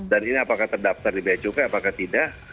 dan ini apakah terdaftar di becukai apakah tidak